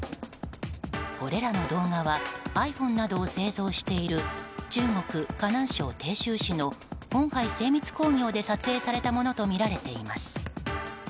これらの動画はｉＰｈｏｎｅなどを製造している中国・河南省鄭州市の鴻海精密工業で撮影されたものとみられています。